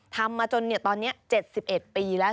ทำมาจนตอนนี้๗๑ปีแล้ว